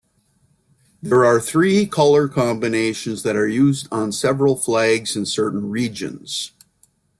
There are three colour combinations that are used on several flags in certain regions.